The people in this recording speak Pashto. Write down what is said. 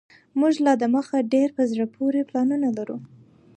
موږ لا دمخه ډیر په زړه پوري پلانونه لرو